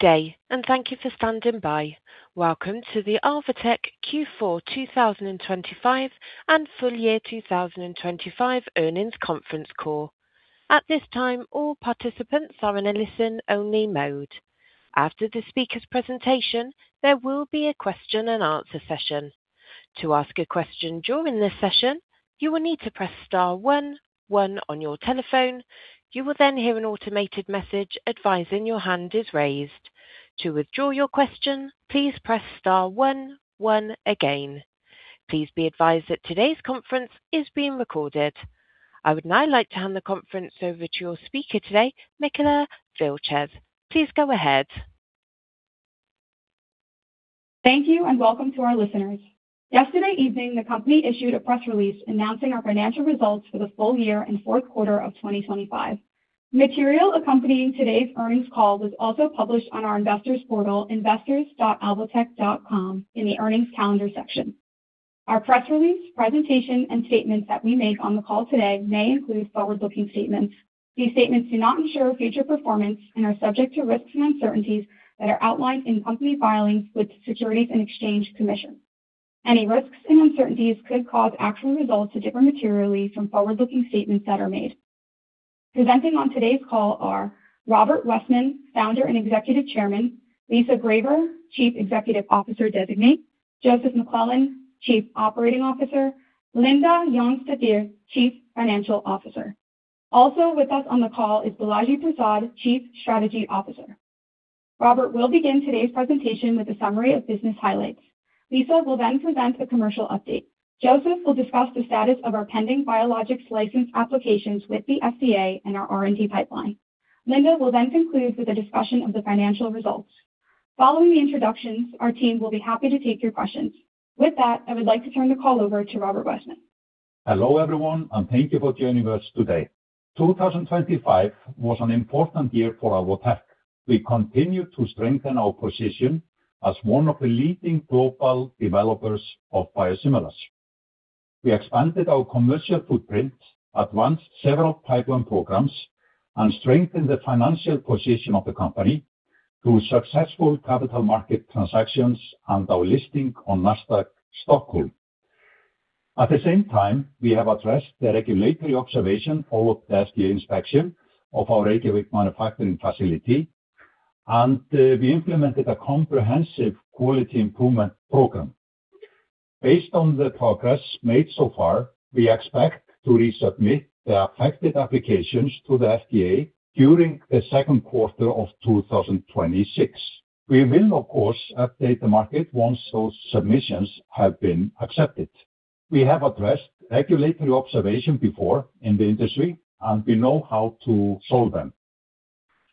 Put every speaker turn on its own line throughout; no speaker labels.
Good day, and thank you for standing by. Welcome to the Alvotech Q4 2025 and full year 2025 earnings conference call. At this time, all participants are in a listen-only mode. After the speaker's presentation, there will be a question-and-answer session. To ask a question during this session, you will need to press star one one on your telephone. You will then hear an automated message advising that your hand is raised. To withdraw your question, please press star one one again. Please be advised that today's conference is being recorded. I would now like to hand the conference over to your speaker today, Benedikt Stefansson. Please go ahead.
Thank you and welcome to our listeners. Yesterday evening, the company issued a press release announcing our financial results for the full year and fourth quarter of 2025. Material accompanying today's earnings call was also published on our investors portal, investors.alvotech.com in the earnings calendar section. Our press release presentation and statements that we make on the call today may include forward-looking statements. These statements do not ensure future performance and are subject to risks and uncertainties that are outlined in company filings with Securities and Exchange Commission. Any risks and uncertainties could cause actual results to differ materially from forward-looking statements that are made. Presenting on today's call are Róbert Wessman, Founder and Executive Chairman, Lisa Graver, Chief Executive Officer Designate, Joseph E. McClellan, Chief Operating Officer, Linda Jónsdóttir, Chief Financial Officer. Also with us on the call is Balaji V. Prasad, Chief Strategy Officer. Róbert will begin today's presentation with a summary of business highlights. Lisa will then present a commercial update. Joseph will discuss the status of our pending biologics license applications with the FDA and our R&D pipeline. Linda will then conclude with a discussion of the financial results. Following the introductions, our team will be happy to take your questions. With that, I would like to turn the call over to Róbert Wessman.
Hello everyone, and thank you for joining us today. 2025 was an important year for Alvotech. We continued to strengthen our position as one of the leading global developers of biosimilars. We expanded our commercial footprint, advanced several pipeline programs, and strengthened the financial position of the company through successful capital market transactions and our listing on Nasdaq Stockholm. At the same time, we have addressed the regulatory observation of the FDA inspection of our Reykjavik manufacturing facility, and we implemented a comprehensive quality improvement program. Based on the progress made so far, we expect to resubmit the affected applications to the FDA during the second quarter of 2026. We will of course update the market once those submissions have been accepted. We have addressed regulatory observation before in the industry, and we know how to solve them.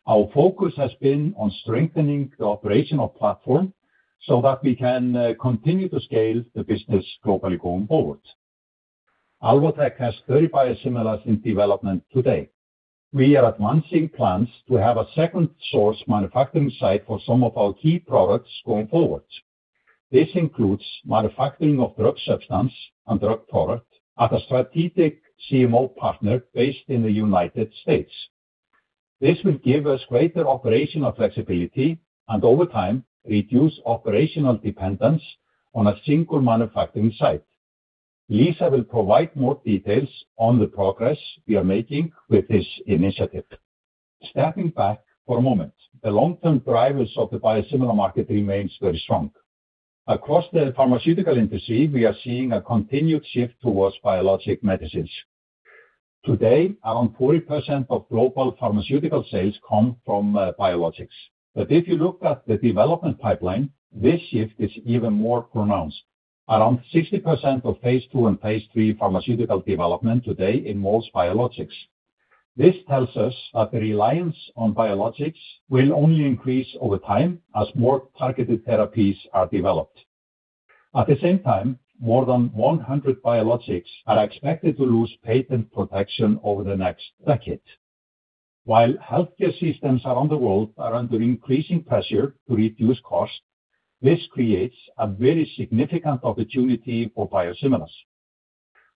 Our focus has been on strengthening the operational platform so that we can continue to scale the business globally going forward. Alvotech has 30 biosimilars in development today. We are advancing plans to have a second source manufacturing site for some of our key products going forward. This includes manufacturing of drug substance and drug product at a strategic CMO partner based in the United States. This will give us greater operational flexibility and over time, reduce operational dependence on a single manufacturing site. Lisa will provide more details on the progress we are making with this initiative. Stepping back for a moment, the long-term drivers of the biosimilar market remains very strong. Across the pharmaceutical industry, we are seeing a continued shift towards biologic medicines. Today, around 40% of global pharmaceutical sales come from biologics. If you look at the development pipeline, this shift is even more pronounced. Around 60% of phase 2 and phase 3 pharmaceutical development today involves biologics. This tells us that the reliance on biologics will only increase over time as more targeted therapies are developed. At the same time, more than 100 biologics are expected to lose patent protection over the next decade. While healthcare systems around the world are under increasing pressure to reduce costs, this creates a very significant opportunity for biosimilars.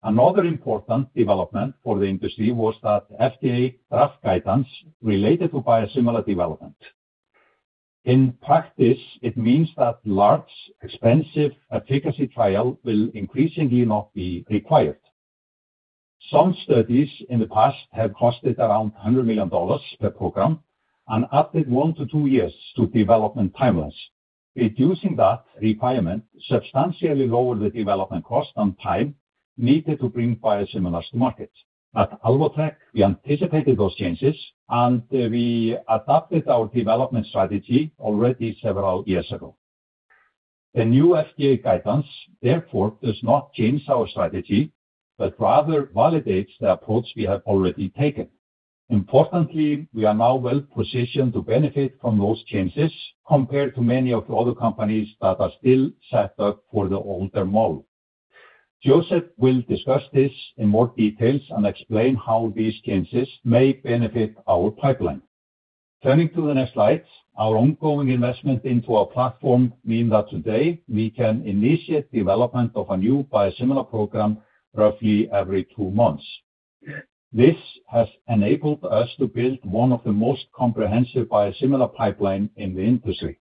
Another important development for the industry was that FDA draft guidance related to biosimilar development. In practice, it means that large, expensive efficacy trial will increasingly not be required. Some studies in the past have cost around $100 million per program and added 1-2 years to development timelines. Reducing that requirement substantially lowers the development cost and time needed to bring biosimilars to market. At Alvotech, we anticipated those changes, and we adopted our development strategy already several years ago. The new FDA guidance, therefore, does not change our strategy, but rather validates the approach we have already taken. Importantly, we are now well positioned to benefit from those changes compared to many of the other companies that are still set up for the older model. Joseph will discuss this in more detail and explain how these changes may benefit our pipeline. Turning to the next slide, our ongoing investment into our platform means that today we can initiate development of a new biosimilar program roughly every two months. This has enabled us to build one of the most comprehensive biosimilar pipelines in the industry.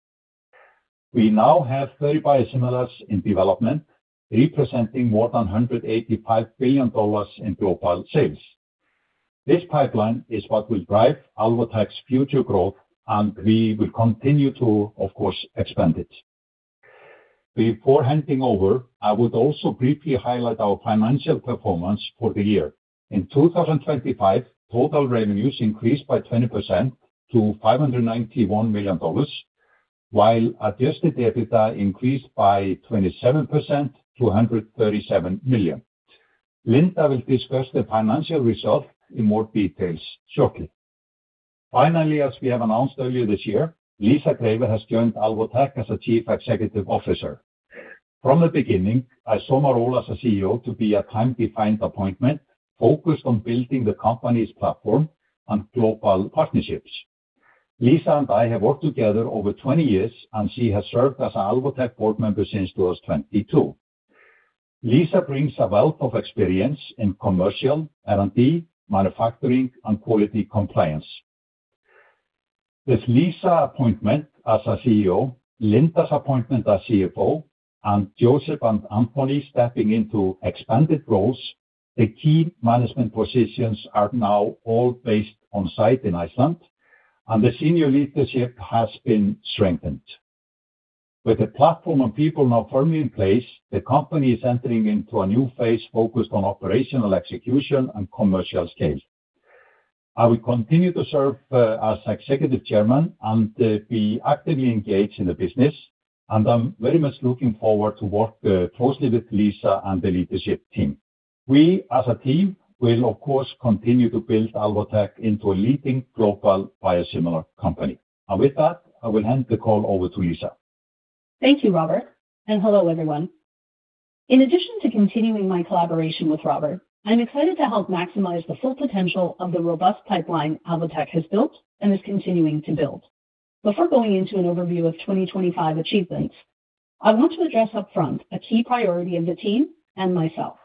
We now have 30 biosimilars in development, representing more than $185 billion in global sales. This pipeline is what will drive Alvotech's future growth, and we will continue to, of course, expand it. Before handing over, I would also briefly highlight our financial performance for the year. In 2025, total revenues increased by 20% to $591 million, while adjusted EBITDA increased by 27% to $137 million. Linda will discuss the financial results in more detail shortly. Finally, as we have announced earlier this year, Lisa Graver has joined Alvotech as a Chief Executive Officer. From the beginning, I saw my role as a CEO to be a time-defined appointment focused on building the company's platform and global partnerships. Lisa and I have worked together over 20 years, and she has served as Alvotech board member since 2022. Lisa brings a wealth of experience in commercial, R&D, manufacturing, and quality compliance. With Lisa's appointment as our CEO, Linda's appointment as CFO, and Joseph and Anthony stepping into expanded roles, the key management positions are now all based on-site in Iceland, and the senior leadership has been strengthened. With the platform and people now firmly in place, the company is entering into a new phase focused on operational execution and commercial scale. I will continue to serve as Executive Chairman and be actively engaged in the business, and I'm very much looking forward to work closely with Lisa and the leadership team. We, as a team, will of course, continue to build Alvotech into a leading global biosimilar company. With that, I will hand the call over to Lisa.
Thank you, Robert, and hello, everyone. In addition to continuing my collaboration with Robert, I'm excited to help maximize the full potential of the robust pipeline Alvotech has built and is continuing to build. Before going into an overview of 2025 achievements, I want to address upfront a key priority of the team and myself.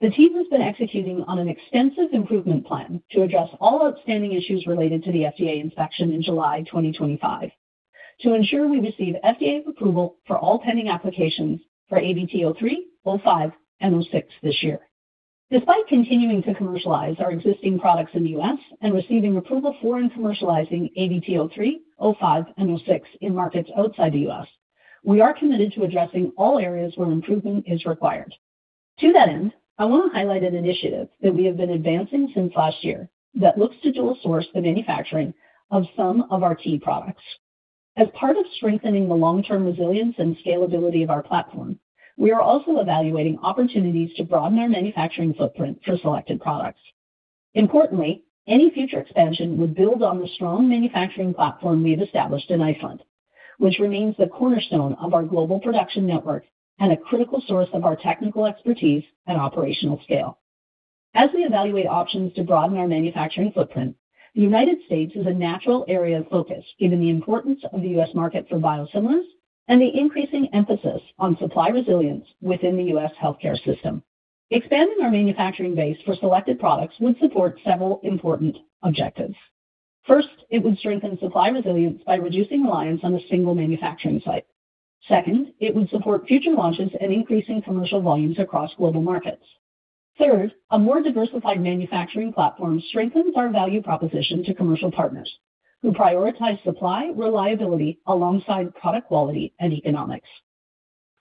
The team has been executing on an extensive improvement plan to address all outstanding issues related to the FDA inspection in July 2025 to ensure we receive FDA approval for all pending applications for AVT03, AVT05, and AVT06 this year. Despite continuing to commercialize our existing products in the U.S. and receiving approval for and commercializing AVT03, AVT05, and AVT06 in markets outside the U.S., we are committed to addressing all areas where improvement is required. To that end, I want to highlight an initiative that we have been advancing since last year that looks to dual source the manufacturing of some of our key products. As part of strengthening the long-term resilience and scalability of our platform, we are also evaluating opportunities to broaden our manufacturing footprint for selected products. Importantly, any future expansion would build on the strong manufacturing platform we've established in Iceland, which remains the cornerstone of our global production network and a critical source of our technical expertise at operational scale. As we evaluate options to broaden our manufacturing footprint, the United States is a natural area of focus, given the importance of the U.S. market for biosimilars and the increasing emphasis on supply resilience within the U.S. healthcare system. Expanding our manufacturing base for selected products would support several important objectives. First, it would strengthen supply resilience by reducing reliance on a single manufacturing site. Second, it would support future launches and increasing commercial volumes across global markets. Third, a more diversified manufacturing platform strengthens our value proposition to commercial partners who prioritize supply reliability alongside product quality and economics.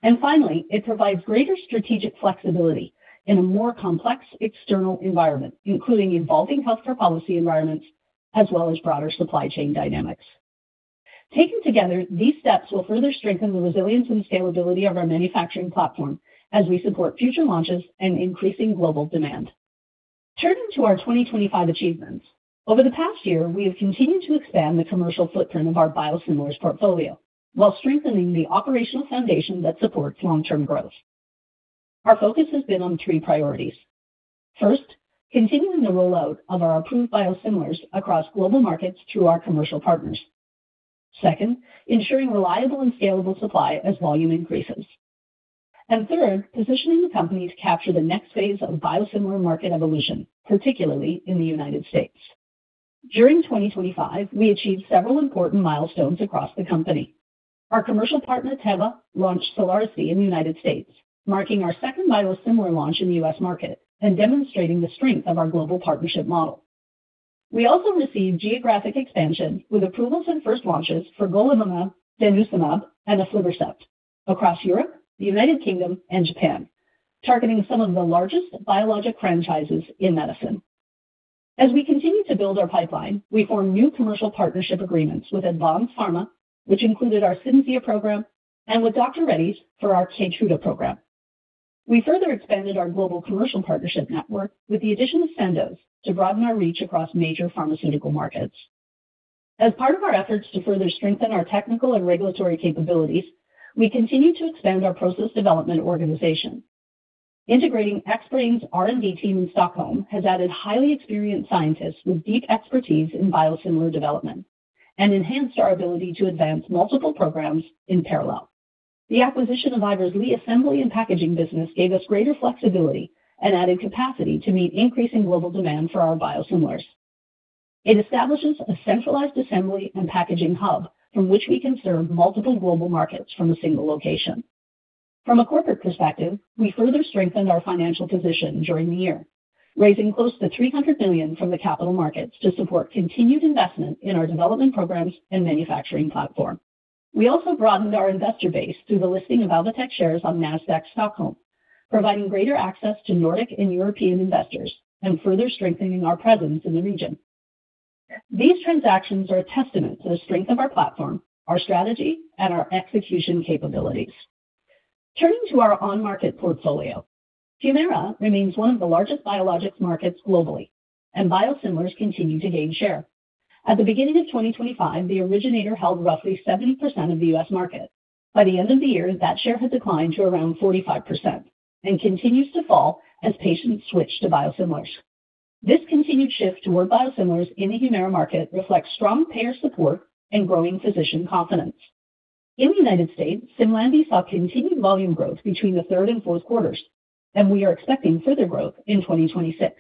And finally, it provides greater strategic flexibility in a more complex external environment, including evolving healthcare policy environments, as well as broader supply chain dynamics. Taken together, these steps will further strengthen the resilience and scalability of our manufacturing platform as we support future launches and increasing global demand. Turning to our 2025 achievements. Over the past year, we have continued to expand the commercial footprint of our biosimilars portfolio while strengthening the operational foundation that supports long-term growth. Our focus has been on three priorities. First, continuing the rollout of our approved biosimilars across global markets through our commercial partners. Second, ensuring reliable and scalable supply as volume increases. Third, positioning the company to capture the next phase of biosimilar market evolution, particularly in the United States. During 2025, we achieved several important milestones across the company. Our commercial partner, Teva, launched Selarsdi in the United States, marking our second biosimilar launch in the U.S. market and demonstrating the strength of our global partnership model. We also received geographic expansion with approvals and first launches for Golimumab, Denosumab, and Aflibercept across Europe, the United Kingdom, and Japan, targeting some of the largest biologic franchises in medicine. As we continue to build our pipeline, we form new commercial partnership agreements with Advanz Pharma, which included our Cimzia program and with Dr. Reddy's for our Keytruda program. We further expanded our global commercial partnership network with the addition of Sandoz to broaden our reach across major pharmaceutical markets. As part of our efforts to further strengthen our technical and regulatory capabilities, we continue to expand our process development organization. Integrating Xbrane's R&D team in Stockholm has added highly experienced scientists with deep expertise in biosimilar development and enhanced our ability to advance multiple programs in parallel. The acquisition of Ivers-Lee's assembly and packaging business gave us greater flexibility and added capacity to meet increasing global demand for our biosimilars. It establishes a centralized assembly and packaging hub from which we can serve multiple global markets from a single location. From a corporate perspective, we further strengthened our financial position during the year, raising close to $300 million from the capital markets to support continued investment in our development programs and manufacturing platform. We also broadened our investor base through the listing of Alvotech shares on Nasdaq Stockholm, providing greater access to Nordic and European investors and further strengthening our presence in the region. These transactions are a testament to the strength of our platform, our strategy, and our execution capabilities. Turning to our on-market portfolio, Humira remains one of the largest biologics markets globally, and biosimilars continue to gain share. At the beginning of 2025, the originator held roughly 70% of the U.S. market. By the end of the year, that share had declined to around 45% and continues to fall as patients switch to biosimilars. This continued shift toward biosimilars in the Humira market reflects strong payer support and growing physician confidence. In the United States, SIMLANDI saw continued volume growth between the third and fourth quarters, and we are expecting further growth in 2026.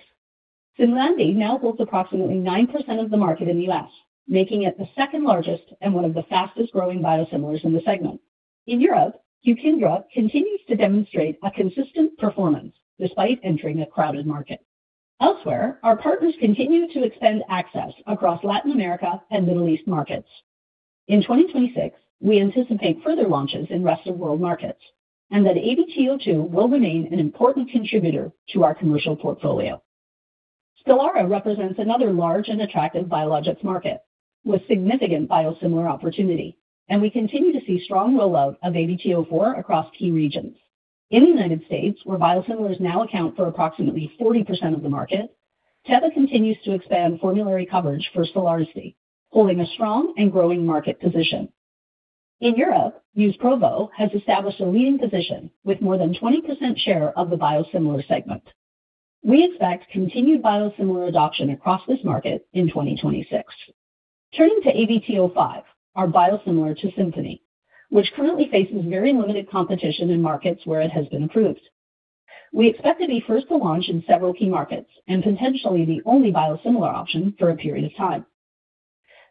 SIMLANDI now holds approximately 9% of the market in the U.S., making it the second-largest and one of the fastest-growing biosimilars in the segment. In Europe, Humira continues to demonstrate a consistent performance despite entering a crowded market. Elsewhere, our partners continue to expand access across Latin America and Middle East markets. In 2026, we anticipate further launches in rest-of-world markets, and that AVT-02 will remain an important contributor to our commercial portfolio. Stelara represents another large and attractive biologics market with significant biosimilar opportunity, and we continue to see strong rollout of AVT-04 across key regions. In the United States, where biosimilars now account for approximately 40% of the market, Teva continues to expand formulary coverage for Selarsdi, holding a strong and growing market position. In Europe, Uzpruvo has established a leading position with more than 20% share of the biosimilar segment. We expect continued biosimilar adoption across this market in 2026. Turning to AVT-05, our biosimilar to Simponi, which currently faces very limited competition in markets where it has been approved. We expect to be first to launch in several key markets and potentially the only biosimilar option for a period of time.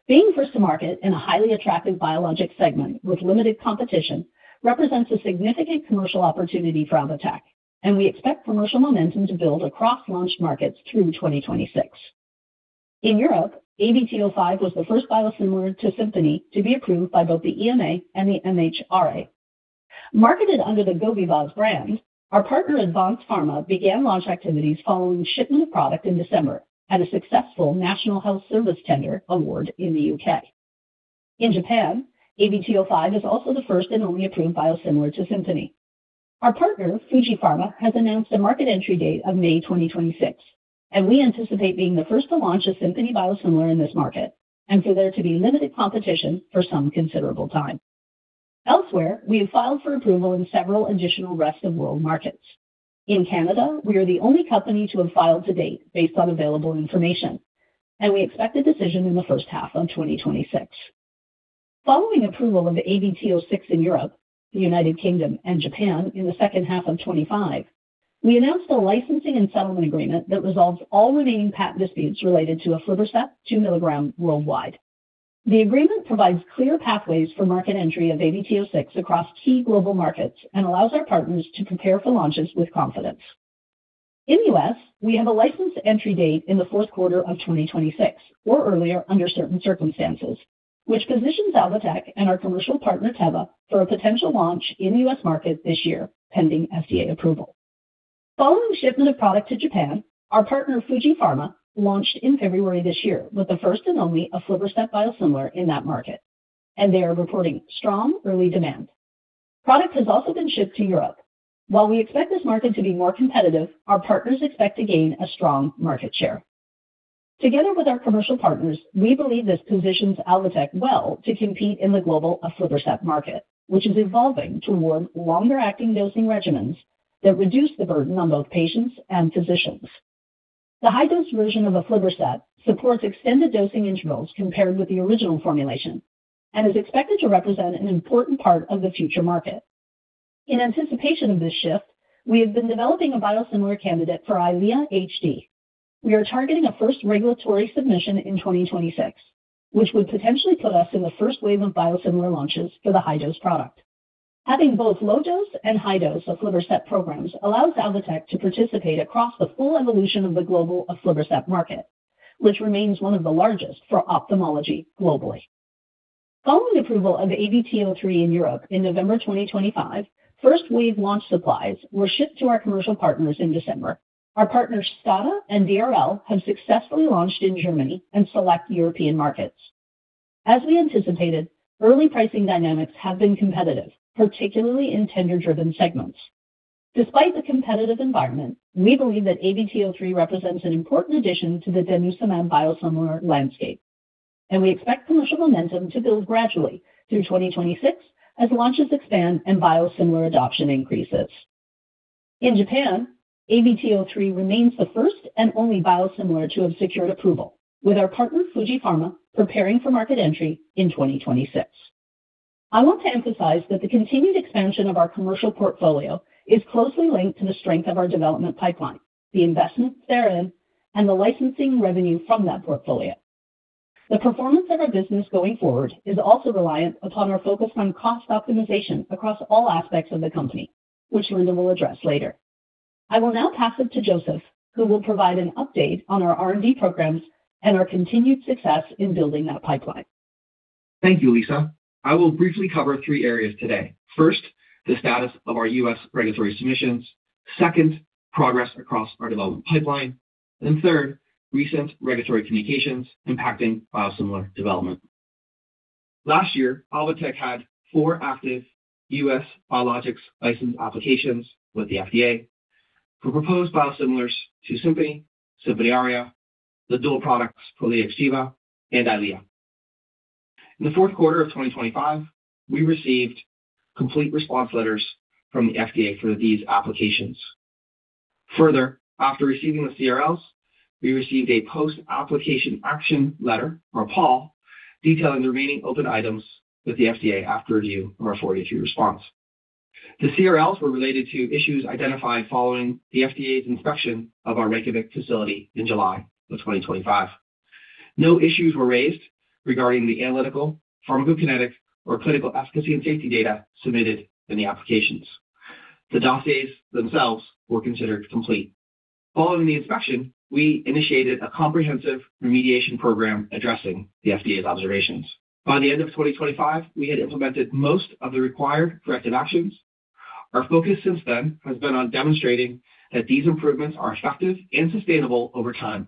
Being first to market in a highly attractive biologic segment with limited competition represents a significant commercial opportunity for Alvotech, and we expect commercial momentum to build across launch markets through 2026. In Europe, AVT-05 was the first biosimilar to Simponi to be approved by both the EMA and the MHRA. Marketed under the Gobivaz brand, our partner, Advanz Pharma, began launch activities following shipment of product in December at a successful National Health Service Tender award in the UK. In Japan, AVT-05 is also the first and only approved biosimilar to Simponi. Our partner, Fuji Pharma, has announced a market entry date of May 2026, and we anticipate being the first to launch a SIMLANDI biosimilar in this market and for there to be limited competition for some considerable time. Elsewhere, we have filed for approval in several additional rest-of-world markets. In Canada, we are the only company to have filed to date based on available information, and we expect a decision in the first half of 2026. Following approval of AVT-06 in Europe, the United Kingdom, and Japan in the second half of 2025, we announced a licensing and settlement agreement that resolves all remaining patent disputes related to Aflibercept 2 mg worldwide. The agreement provides clear pathways for market entry of AVT-06 across key global markets and allows our partners to prepare for launches with confidence. In the US, we have a licensed entry date in the fourth quarter of 2026 or earlier under certain circumstances, which positions Alvotech and our commercial partner, Teva, for a potential launch in the US market this year, pending FDA approval. Following the shipment of product to Japan, our partner, Fuji Pharma, launched in February this year with the first and only Aflibercept biosimilar in that market, and they are reporting strong early demand. Product has also been shipped to Europe. While we expect this market to be more competitive, our partners expect to gain a strong market share. Together with our commercial partners, we believe this positions Alvotech well to compete in the global Aflibercept market, which is evolving toward longer-acting dosing regimens that reduce the burden on both patients and physicians. The high-dose version of Aflibercept supports extended dosing intervals compared with the original formulation and is expected to represent an important part of the future market. In anticipation of this shift, we have been developing a biosimilar candidate for Eylea HD. We are targeting a first regulatory submission in 2026, which would potentially put us in the first wave of biosimilar launches for the high-dose product. Having both low-dose and high-dose Aflibercept programs allows Alvotech to participate across the full evolution of the global Aflibercept market, which remains one of the largest for ophthalmology globally. Following approval of AVT-03 in Europe in November 2025, first wave launch supplies were shipped to our commercial partners in December. Our partners, Stada and DRL, have successfully launched in Germany and select European markets. As we anticipated, early pricing dynamics have been competitive, particularly in tender-driven segments. Despite the competitive environment, we believe that AVT-03 represents an important addition to the Denosumab biosimilar landscape, and we expect commercial momentum to build gradually through 2026 as launches expand and biosimilar adoption increases. In Japan, AVT-03 remains the first and only biosimilar to have secured approval with our partner Fuji Pharma preparing for market entry in 2026. I want to emphasize that the continued expansion of our commercial portfolio is closely linked to the strength of our development pipeline, the investments therein, and the licensing revenue from that portfolio. The performance of our business going forward is also reliant upon our focus on cost optimization across all aspects of the company, which Linda will address later. I will now pass it to Joseph, who will provide an update on our R&D programs and our continued success in building that pipeline.
Thank you, Lisa. I will briefly cover three areas today. First, the status of our U.S. regulatory submissions. Second, progress across our development pipeline. Third, recent regulatory communications impacting biosimilar development. Last year, Alvotech had four active U.S. biologics license applications with the FDA for proposed biosimilars to Simponi Aria, Prolia, and Xgeva. In the fourth quarter of 2025, we received complete response letters from the FDA for these applications. Further, after receiving the CRLs, we received a Post-Action Application Letter, or PAAL, detailing the remaining open items with the FDA after review of our 483 response. The CRLs were related to issues identified following the FDA's inspection of our Reykjavík facility in July of 2025. No issues were raised regarding the analytical, pharmacokinetic, or clinical efficacy and safety data submitted in the applications. The dossiers themselves were considered complete. Following the inspection, we initiated a comprehensive remediation program addressing the FDA's observations. By the end of 2025, we had implemented most of the required corrective actions. Our focus since then has been on demonstrating that these improvements are effective and sustainable over time,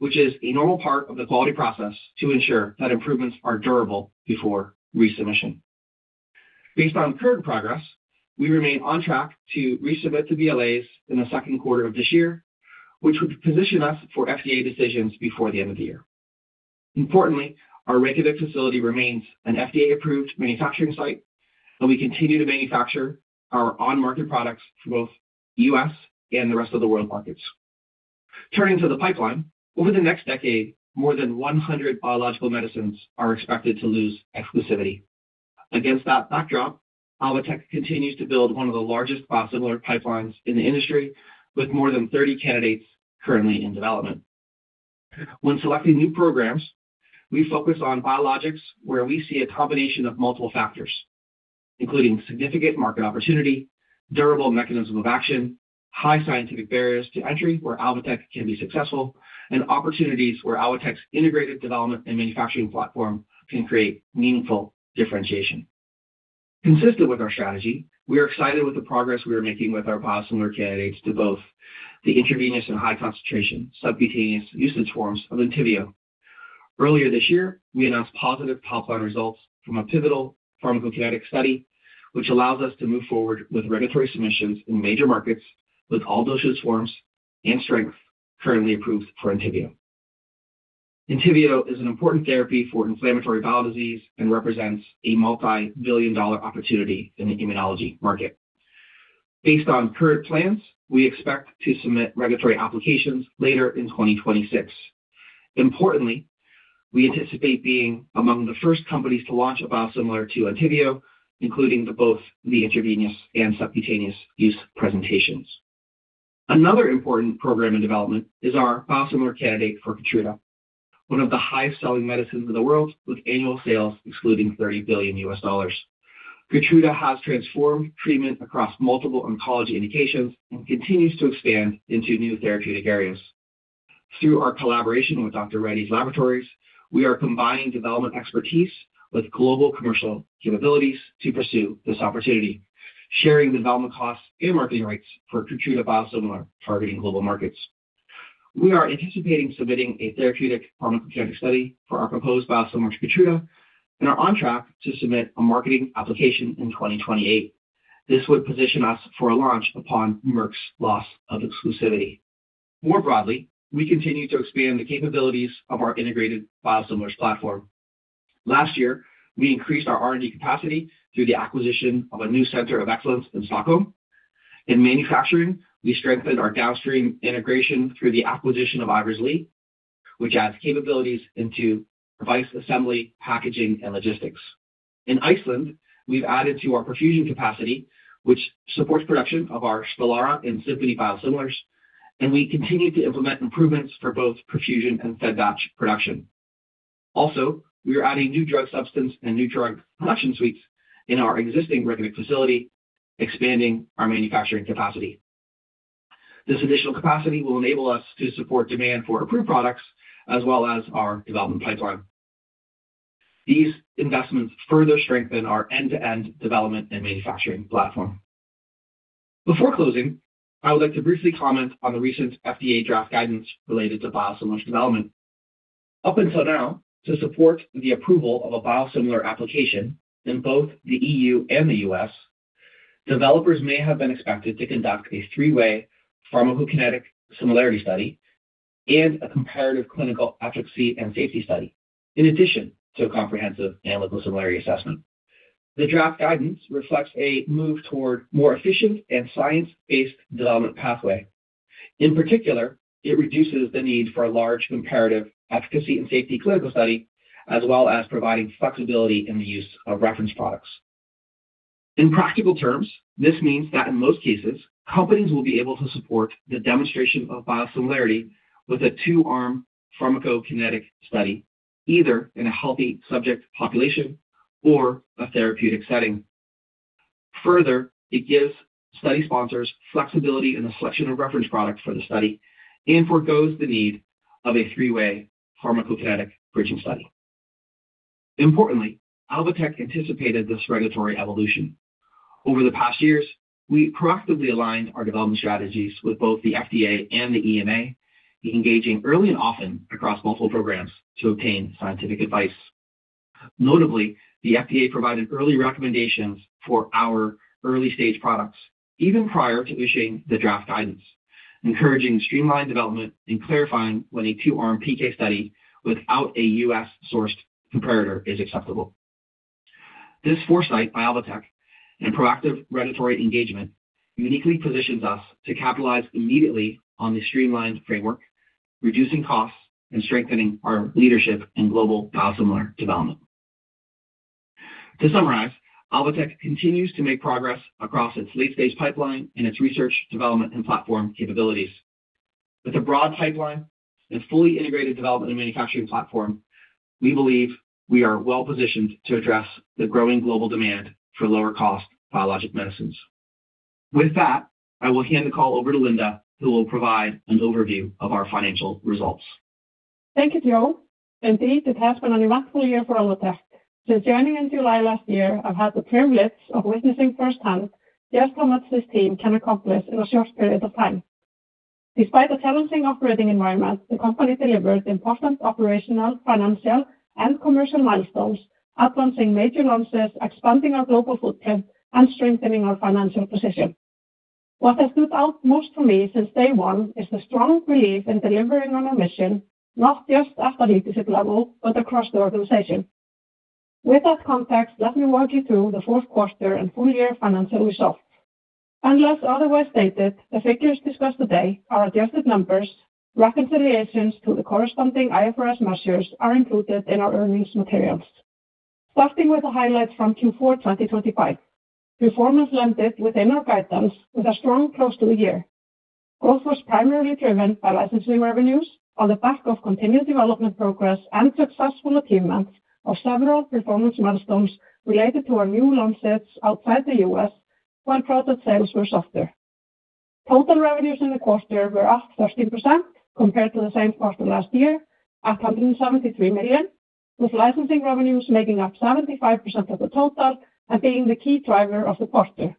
which is a normal part of the quality process to ensure that improvements are durable before resubmission. Based on current progress, we remain on track to resubmit the BLAs in the second quarter of this year, which would position us for FDA decisions before the end of the year. Importantly, our Reykjavik facility remains an FDA-approved manufacturing site, and we continue to manufacture our on-market products for both U.S. and the rest of the world markets. Turning to the pipeline, over the next decade, more than 100 biological medicines are expected to lose exclusivity. Against that backdrop, Alvotech continues to build one of the largest biosimilar pipelines in the industry with more than 30 candidates currently in development. When selecting new programs, we focus on biologics where we see a combination of multiple factors, including significant market opportunity, durable mechanism of action, high scientific barriers to entry where Alvotech can be successful, and opportunities where Alvotech's integrated development and manufacturing platform can create meaningful differentiation. Consistent with our strategy, we are excited with the progress we are making with our biosimilar candidates to both the intravenous and high concentration subcutaneous usage forms of Entyvio. Earlier this year, we announced positive top-line results from a pivotal pharmacokinetic study, which allows us to move forward with regulatory submissions in major markets with all dosage forms and strength currently approved for Entyvio. Entyvio is an important therapy for inflammatory bowel disease and represents a multi-billion dollar opportunity in the immunology market. Based on current plans, we expect to submit regulatory applications later in 2026. Importantly, we anticipate being among the first companies to launch a biosimilar to Entyvio, including both the intravenous and subcutaneous use presentations. Another important program in development is our biosimilar candidate for Keytruda, one of the highest selling medicines in the world, with annual sales exceeding $30 billion. Keytruda has transformed treatment across multiple oncology indications and continues to expand into new therapeutic areas. Through our collaboration with Dr. Reddy's Laboratories, we are combining development expertise with global commercial capabilities to pursue this opportunity, sharing development costs and marketing rights for Keytruda biosimilar targeting global markets. We are anticipating submitting a therapeutic pharmacokinetic study for our proposed biosimilar to Keytruda and are on track to submit a marketing application in 2028. This would position us for a launch upon Merck's loss of exclusivity. More broadly, we continue to expand the capabilities of our integrated biosimilars platform. Last year, we increased our R&D capacity through the acquisition of a new center of excellence in Stockholm. In manufacturing, we strengthened our downstream integration through the acquisition of Ivers-Lee, which adds capabilities into device assembly, packaging, and logistics. In Iceland, we've added to our perfusion capacity, which supports production of our Stelara and Simponi biosimilars, and we continue to implement improvements for both perfusion and fed-batch production. Also, we are adding new drug substance and new drug production suites in our existing Reykjavík facility, expanding our manufacturing capacity. This additional capacity will enable us to support demand for approved products as well as our development pipeline. These investments further strengthen our end-to-end development and manufacturing platform. Before closing, I would like to briefly comment on the recent FDA draft guidance related to biosimilars development. Up until now, to support the approval of a biosimilar application in both the EU and the U.S., developers may have been expected to conduct a three-way pharmacokinetic similarity study and a comparative clinical efficacy and safety study, in addition to a comprehensive analytical similarity assessment. The draft guidance reflects a move toward more efficient and science-based development pathway. In particular, it reduces the need for a large comparative efficacy and safety clinical study, as well as providing flexibility in the use of reference products. In practical terms, this means that in most cases, companies will be able to support the demonstration of biosimilarity with a two-arm pharmacokinetic study, either in a healthy subject population or a therapeutic setting. Further, it gives study sponsors flexibility in the selection of reference products for the study and foregoes the need of a three-way pharmacokinetic bridging study. Importantly, Alvotech anticipated this regulatory evolution. Over the past years, we proactively aligned our development strategies with both the FDA and the EMA, engaging early and often across multiple programs to obtain scientific advice. Notably, the FDA provided early recommendations for our early-stage products even prior to issuing the draft guidance, encouraging streamlined development and clarifying when a two-arm PK study without a U.S.-sourced comparator is acceptable. This foresight by Alvotech and proactive regulatory engagement uniquely positions us to capitalize immediately on the streamlined framework, reducing costs and strengthening our leadership in global biosimilar development. To summarize, Alvotech continues to make progress across its late-stage pipeline and its research, development, and platform capabilities. With a broad pipeline and fully integrated development and manufacturing platform, we believe we are well-positioned to address the growing global demand for lower-cost biologic medicines. With that, I will hand the call over to Linda, who will provide an overview of our financial results.
Thank you, Joe. Indeed, it has been an eventful year for Alvotech. Since joining in July last year, I've had the privilege of witnessing firsthand just how much this team can accomplish in a short period of time. Despite the challenging operating environment, the company delivered important operational, financial, and commercial milestones, advancing major launches, expanding our global footprint, and strengthening our financial position. What has stood out most for me since day one is the strong belief in delivering on our mission, not just at the leadership level, but across the organization. With that context, let me walk you through the fourth quarter and full year financial results. Unless otherwise stated, the figures discussed today are adjusted numbers. Reconciliations to the corresponding IFRS measures are included in our earnings materials. Starting with the highlights from Q4 2025, performance landed within our guidance with a strong close to the year. Growth was primarily driven by licensing revenues on the back of continued development progress and successful achievement of several performance milestones related to our new launches outside the US, while product sales were softer. Total revenues in the quarter were up 13% compared to the same quarter last year, at $173 million, with licensing revenues making up 75% of the total and being the key driver of the quarter.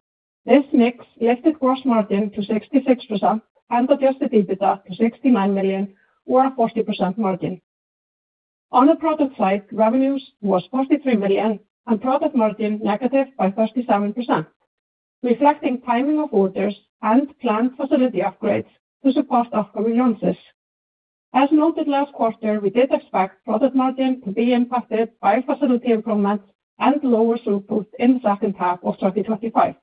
This mix lifted gross margin to 66% and adjusted EBITDA to $69 million, or a 40% margin. On the product side, revenues was $43 million and product margin negative by 37%, reflecting timing of orders and planned facility upgrades to support upcoming launches. As noted last quarter, we did expect product margin to be impacted by facility improvements and lower throughput in the second half of 2025.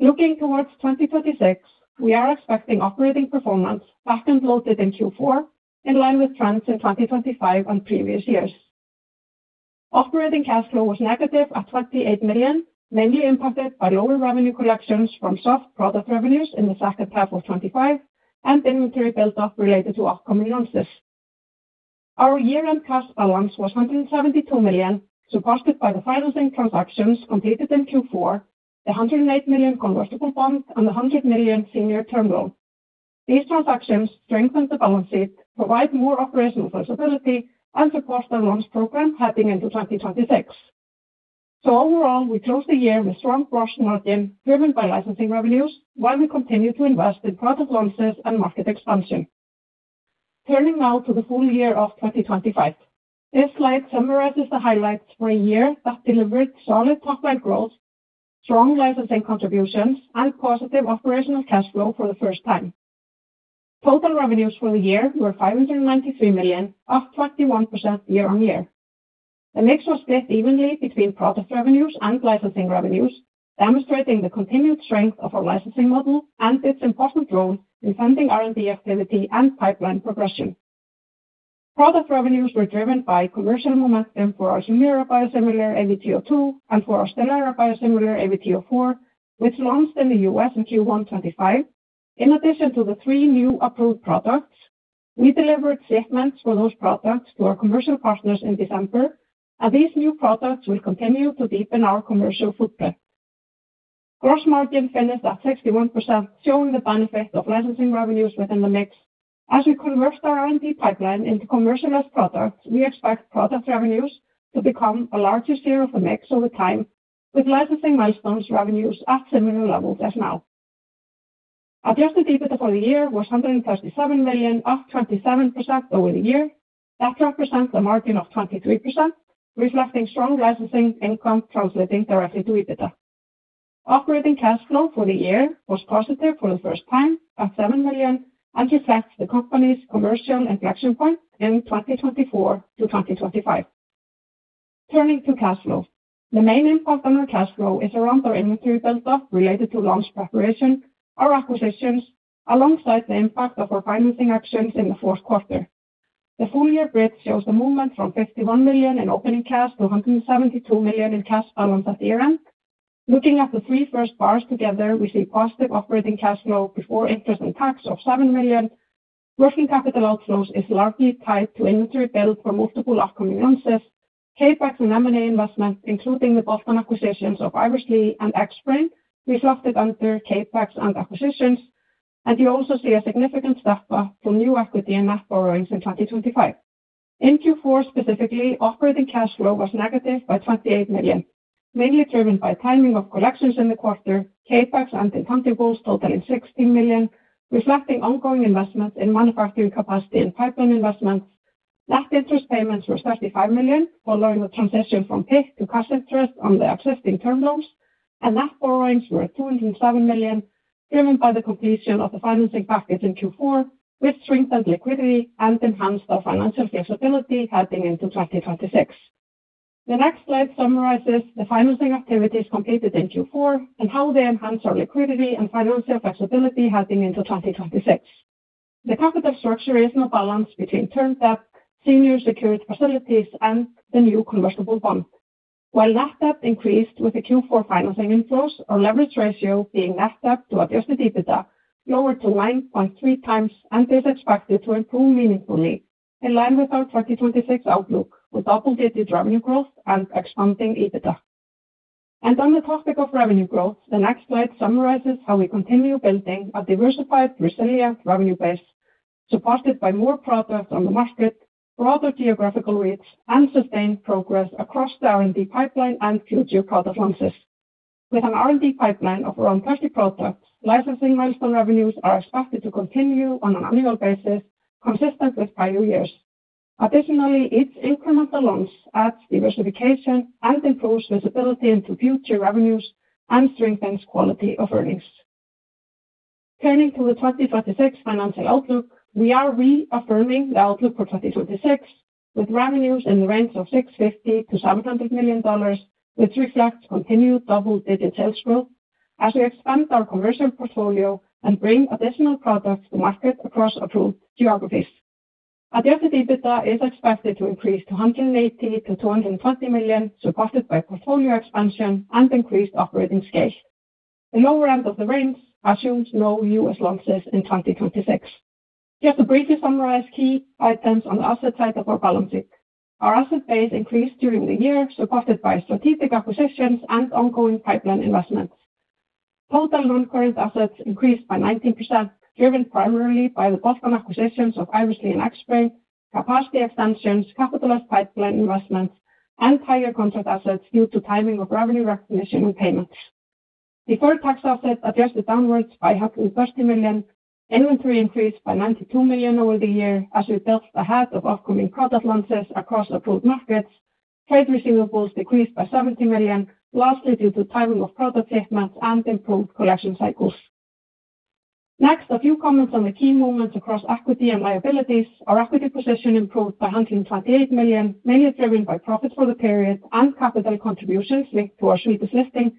Looking towards 2026, we are expecting operating performance back-end loaded in Q4, in line with trends in 2025 and previous years. Operating cash flow was negative at $28 million, mainly impacted by lower revenue collections from soft product revenues in the second half of 2025 and inventory build-up related to upcoming launches. Our year-end cash balance was $172 million, supported by the financing transactions completed in Q4, the $108 million convertible bonds and the $100 million senior term loan. These transactions strengthen the balance sheet, provide more operational flexibility, and support our launch program heading into 2026. Overall, we closed the year with strong gross margin driven by licensing revenues, while we continue to invest in product launches and market expansion. Turning now to the full year of 2025. This slide summarizes the highlights for a year that delivered solid top-line growth, strong licensing contributions, and positive operational cash flow for the first time. Total revenues for the year were $593 million, up 21% year-on-year. The mix was split evenly between product revenues and licensing revenues, demonstrating the continued strength of our licensing model and its important role in funding R&D activity and pipeline progression. Product revenues were driven by commercial momentum for our Humira biosimilar AVT02 and for our Stelara biosimilar AVT04, which launched in the U.S. in Q1 2025. In addition to the three new approved products, we delivered shipments for those products to our commercial partners in December, and these new products will continue to deepen our commercial footprint. Gross margin finished at 61%, showing the benefit of licensing revenues within the mix. As we convert our R&D pipeline into commercialized products, we expect product revenues to become a larger share of the mix over time, with licensing milestones revenues at similar levels as now. Adjusted EBITDA for the year was $137 million, up 27% over the year. That represents a margin of 23%, reflecting strong licensing income translating directly to EBITDA. Operating cash flow for the year was positive for the first time at $7 million, and reflects the company's commercial inflection point in 2024 to 2025. Turning to cash flow. The main impact on our cash flow is around our inventory build-up related to launch preparation, our acquisitions, alongside the impact of our financing actions in the fourth quarter. The full year grid shows the movement from $51 million in opening cash to $172 million in cash balance at the end. Looking at the three first bars together, we see positive operating cash flow before interest and tax of $7 million. Working capital outflows is largely tied to inventory build for multiple upcoming launches, CapEx and M&A investments, including the Boston acquisitions of Ivers-Lee and Xbrane. We swapped it under CapEx and acquisitions, and you also see a significant step up from new equity and net borrowings in 2025. In Q4 specifically, operating cash flow was negative by $28 million, mainly driven by timing of collections in the quarter, CapEx and intangibles totaling $16 million, reflecting ongoing investments in manufacturing capacity and pipeline investments. Net interest payments were $35 million, following the transition from PIK to cash interest on the existing term loans, and net borrowings were $207 million, driven by the completion of the financing package in Q4 which strengthened liquidity and enhanced our financial flexibility heading into 2026. The next slide summarizes the financing activities completed in Q4 and how they enhance our liquidity and financial flexibility heading into 2026. The capital structure is now balanced between term debt, senior secured facilities, and the new convertible bond. While net debt increased with the Q4 financing inflows, our leverage ratio, being net debt to adjusted EBITDA, lowered to 9.3 times and is expected to improve meaningfully in line with our 2026 outlook, with double-digit revenue growth and expanding EBITDA. On the topic of revenue growth, the next slide summarizes how we continue building a diversified resilient revenue base, supported by more products on the market, broader geographical reach, and sustained progress across the R&D pipeline and future product launches. With an R&D pipeline of around 30 products, licensing milestone revenues are expected to continue on an annual basis consistent with prior years. Additionally, each incremental launch adds diversification and improves visibility into future revenues and strengthens quality of earnings. Turning to the 2026 financial outlook, we are reaffirming the outlook for 2026, with revenues in the range of $650-$700 million, which reflects continued double-digit sales growth as we expand our commercial portfolio and bring additional products to market across approved geographies. Adjusted EBITDA is expected to increase to $180-$220 million, supported by portfolio expansion and increased operating scale. The lower end of the range assumes no U.S. launches in 2026. Just to briefly summarize key items on the asset side of our balance sheet. Our asset base increased during the year, supported by strategic acquisitions and ongoing pipeline investments. Total non-current assets increased by 19%, driven primarily by the two acquisitions of Ivers-Lee and Xbrane, capacity extensions, capitalized pipeline investments, and higher contract assets due to timing of revenue recognition and payments. Deferred tax assets adjusted downwards by $130 million. Inventory increased by $92 million over the year as we built ahead of upcoming product launches across approved markets. Trade receivables decreased by $70 million, lastly due to timing of product shipments and improved collection cycles. Next, a few comments on the key movements across equity and liabilities. Our equity position improved by $128 million, mainly driven by profits for the period and capital contributions linked to our Swedish listing.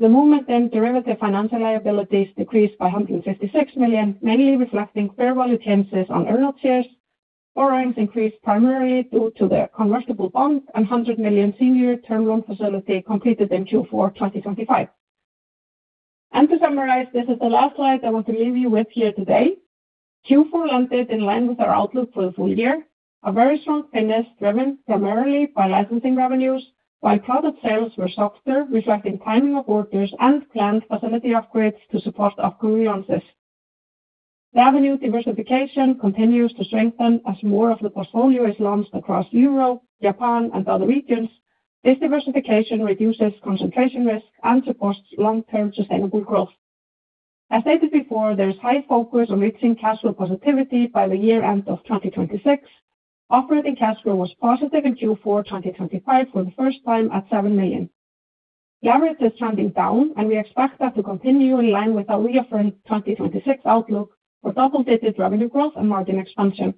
The movement in derivative financial liabilities decreased by $156 million, mainly reflecting fair value changes on earned shares. Borrowings increased primarily due to the convertible bond and $100 million senior term loan facility completed in Q4 2025. To summarize, this is the last slide I want to leave you with here today. Q4 landed in line with our outlook for the full year. A very strong finish driven primarily by licensing revenues, while product sales were softer, reflecting timing of orders and planned facility upgrades to support upcoming launches. Revenue diversification continues to strengthen as more of the portfolio is launched across Europe, Japan, and other regions. This diversification reduces concentration risk and supports long-term sustainable growth. As stated before, there is high focus on reaching cash flow positivity by the year end of 2026. Operating cash flow was positive in Q4 2025 for the first time at $7 million. Leverage is trending down, and we expect that to continue in line with our reaffirm 2026 outlook for double-digit revenue growth and margin expansion.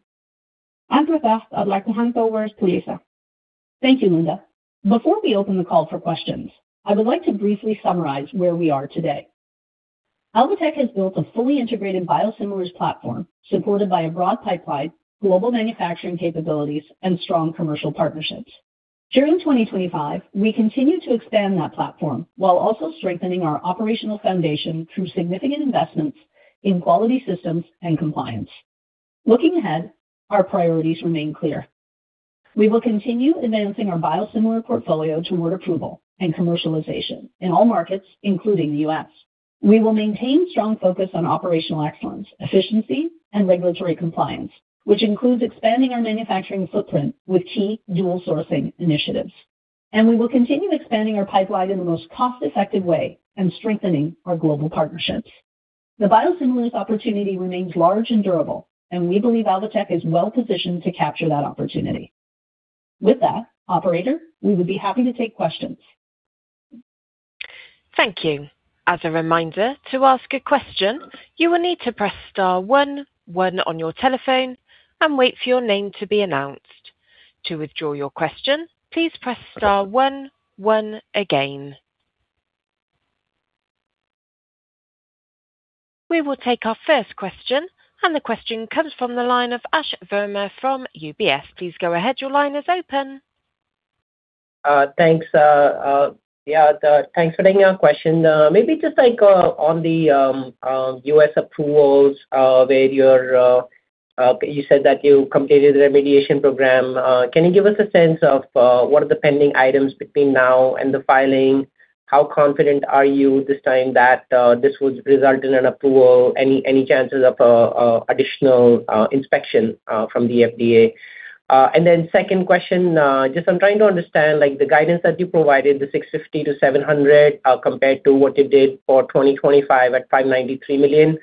With that, I'd like to hand over to Lisa.
Thank you, Linda. Before we open the call for questions, I would like to briefly summarize where we are today. Alvotech has built a fully integrated biosimilars platform supported by a broad pipeline, global manufacturing capabilities, and strong commercial partnerships. During 2025, we continued to expand that platform while also strengthening our operational foundation through significant investments in quality systems and compliance. Looking ahead, our priorities remain clear. We will continue advancing our biosimilar portfolio toward approval and commercialization in all markets, including the U.S. We will maintain strong focus on operational excellence, efficiency, and regulatory compliance, which includes expanding our manufacturing footprint with key dual sourcing initiatives. We will continue expanding our pipeline in the most cost-effective way and strengthening our global partnerships. The biosimilars opportunity remains large and durable, and we believe Alvotech is well positioned to capture that opportunity. With that, operator, we would be happy to take questions.
Thank you. As a reminder, to ask a question, you will need to press star one one on your telephone and wait for your name to be announced. To withdraw your question, please press star one one again. We will take our first question, and the question comes from the line of Ashwani Verma from UBS. Please go ahead. Your line is open.
Thanks. Yeah, thanks for taking our question. Maybe just like on the U.S. approvals, where you said that you completed the remediation program. Can you give us a sense of what are the pending items between now and the filing? How confident are you this time that this would result in an approval? Any chances of additional inspection from the FDA? And then second question, just I'm trying to understand, like, the guidance that you provided, the $650 million-$700 million compared to what you did for 2025 at $593 million.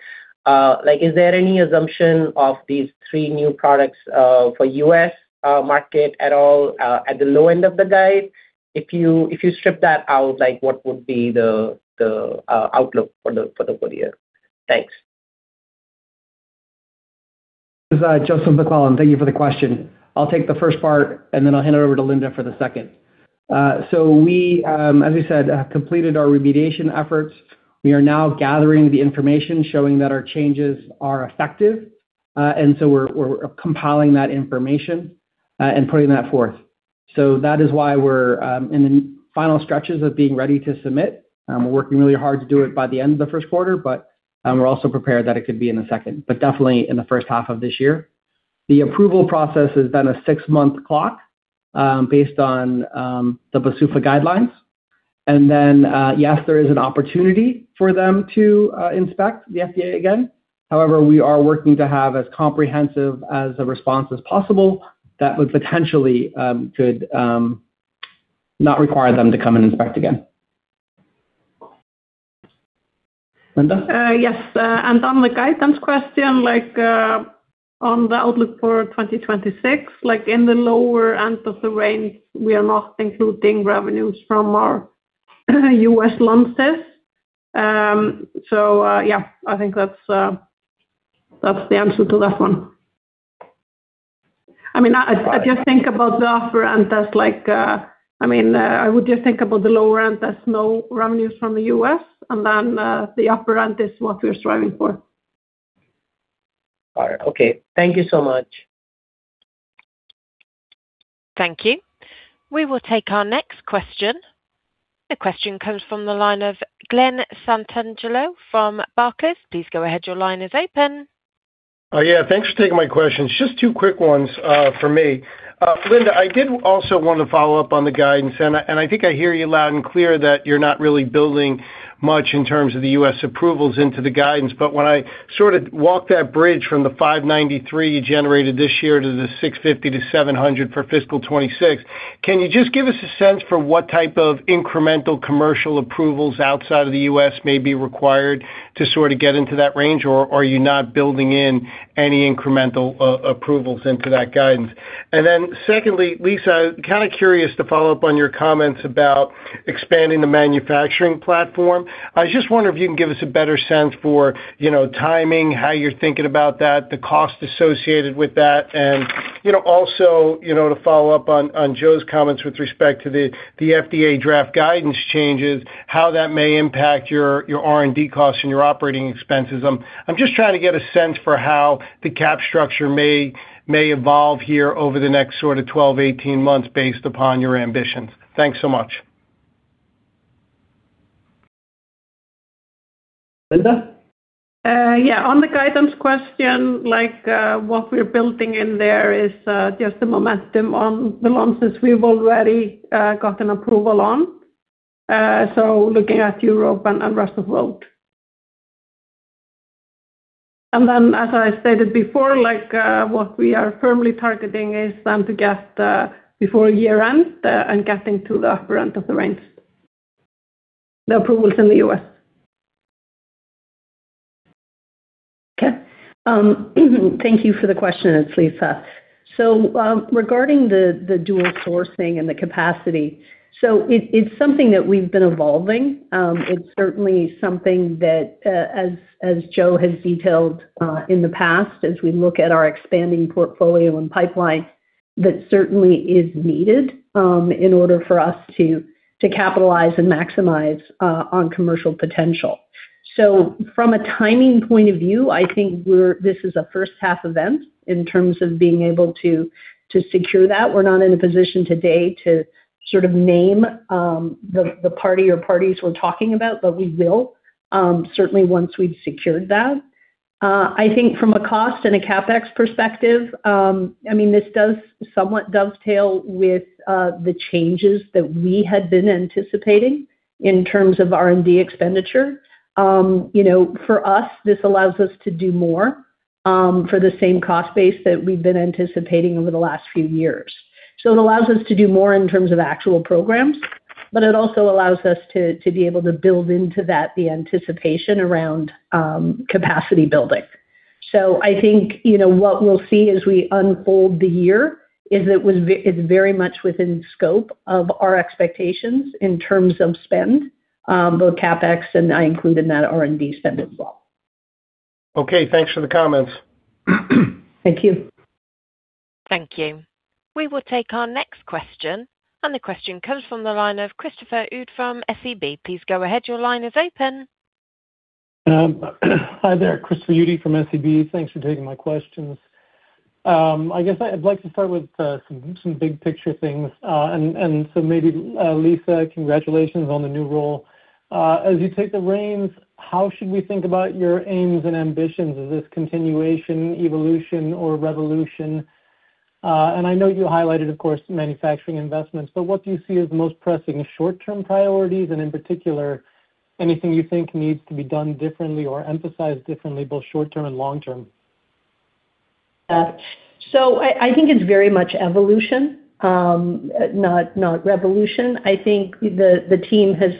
Like, is there any assumption of these three new products for U.S. market at all at the low end of the guide? If you strip that out, like what would be the outlook for the full year? Thanks.
This is Joseph McClellan. Thank you for the question. I'll take the first part, and then I'll hand it over to Linda for the second. We, as I said, completed our remediation efforts. We are now gathering the information showing that our changes are effective. We're compiling that information and putting that forth. That is why we're in the final stretches of being ready to submit. We're working really hard to do it by the end of the first quarter, but we're also prepared that it could be in the second, but definitely in the first half of this year. The approval process is then a six-month clock based on the PDUFA guidelines. Then yes, there is an opportunity for the FDA to inspect again.
However, we are working to have as comprehensive as a response as possible that would potentially could not require them to come and inspect again. Linda?
Yes. On the guidance question, like, on the outlook for 2026, like in the lower end of the range, we are not including revenues from our U.S. launches. I think that's the answer to that one. I mean, I just think about the upper end as like. I mean, I would just think about the lower end as no revenues from the U.S., and then the upper end is what we're striving for.
All right. Okay. Thank you so much.
Thank you. We will take our next question. The question comes from the line of Glen Santangelo from Jefferies. Please go ahead. Your line is open.
Oh, yeah. Thanks for taking my question. Just two quick ones for me. Linda, I did also want to follow up on the guidance, and I think I hear you loud and clear that you're not really building much in terms of the U.S. approvals into the guidance. When I sort of walk that bridge from the $593 you generated this year to the $650-$700 for fiscal 2026, can you just give us a sense for what type of incremental commercial approvals outside of the U.S. may be required to sort of get into that range? Or are you not building in any incremental approvals into that guidance? Then secondly, Lisa, kind of curious to follow up on your comments about expanding the manufacturing platform. I just wonder if you can give us a better sense for, you know, timing, how you're thinking about that, the cost associated with that. You know, also, you know, to follow up on Joe's comments with respect to the FDA draft guidance changes, how that may impact your R&D costs and your operating expenses. I'm just trying to get a sense for how the cap structure may evolve here over the next sort of 12-18 months based upon your ambitions. Thanks so much.
Linda?
Yeah. On the guidance question, like, what we're building in there is just the momentum on the launches we've already gotten approval on. Looking at Europe and rest of world. As I stated before, like, what we are firmly targeting is then to get before year-end and getting to the upper end of the range. The approvals in the U.S.
Okay. Thank you for the question. It's Lisa. Regarding the dual sourcing and the capacity. It is something that we've been evolving. It is certainly something that, as Joe has detailed, in the past, as we look at our expanding portfolio and pipeline, that certainly is needed, in order for us to capitalize and maximize on commercial potential. From a timing point of view, I think this is a first half event in terms of being able to secure that. We're not in a position today to sort of name the party or parties we're talking about, but we will certainly once we've secured that. I think from a cost and a CapEx perspective, I mean, this does somewhat dovetail with the changes that we had been anticipating in terms of R&D expenditure. You know, for us, this allows us to do more for the same cost base that we've been anticipating over the last few years. It allows us to do more in terms of actual programs, but it also allows us to be able to build into that the anticipation around capacity building. I think, you know, what we'll see as we unfold the year is it's very much within scope of our expectations in terms of spend, both CapEx, and I include in that R&D spend as well.
Okay, thanks for the comments.
Thank you.
Thank you. We will take our next question, the question comes from the line of Christopher Uhde from SEB. Please go ahead. Your line is open.
Hi there, Christopher Uhde from SEB. Thanks for taking my questions. I guess I'd like to start with some big picture things. Lisa, congratulations on the new role. As you take the reins, how should we think about your aims and ambitions? Is this continuation, evolution or revolution? I know you highlighted, of course, manufacturing investments, but what do you see as the most pressing short-term priorities and in particular, anything you think needs to be done differently or emphasized differently, both short term and long term?
Yeah. I think it's very much evolution, not revolution. I think the team has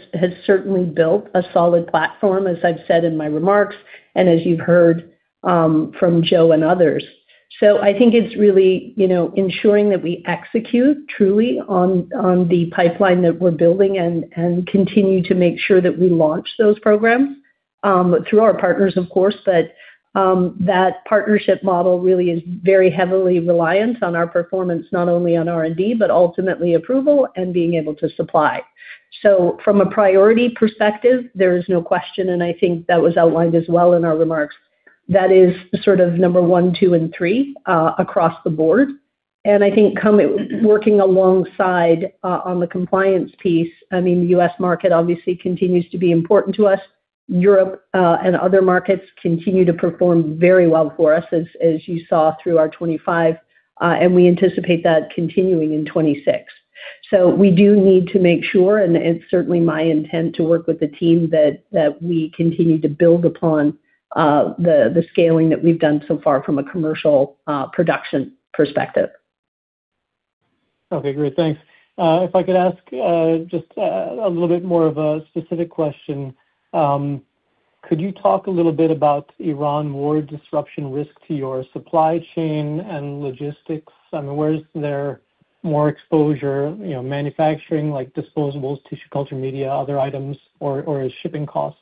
certainly built a solid platform, as I've said in my remarks and as you've heard from Joe and others. I think it's really, you know, ensuring that we execute truly on the pipeline that we're building and continue to make sure that we launch those programs through our partners of course. That partnership model really is very heavily reliant on our performance, not only on R&D, but ultimately approval and being able to supply. From a priority perspective, there is no question, and I think that was outlined as well in our remarks. That is sort of number one, two, and three across the board. I think working alongside on the compliance piece, I mean, the U.S. market obviously continues to be important to us. Europe and other markets continue to perform very well for us as you saw through our 2025, and we anticipate that continuing in 2026. We do need to make sure, and it's certainly my intent to work with the team that we continue to build upon the scaling that we've done so far from a commercial production perspective.
Okay, great. Thanks. If I could ask just a little bit more of a specific question. Could you talk a little bit about Iran war disruption risk to your supply chain and logistics? I mean, where is there more exposure, you know, manufacturing like disposables, tissue culture, media, other items, or shipping costs?